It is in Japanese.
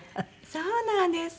そうなんです。